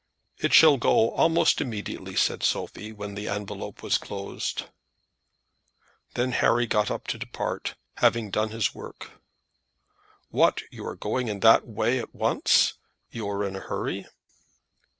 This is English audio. "It shall go, almost immediately," said Sophie, when the envelope was closed. Then Harry got up to depart, having done his work. "What, you are going in that way at once? You are in a hurry?"